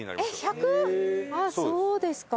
あっそうですか。